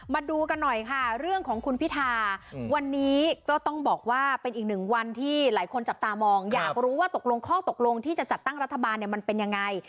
มาดูกันหน่อยค่ะเรื่องของคุณพิธาวันนี้ก็ต้องบอกว่าเป็นอีกหนึ่งวันที่หลายคนจับตามองอยากรู้ว่าตกลงข้อตกลงที่จะจัดตั้งรัฐบาลเนี่ยมันเป็นยังไง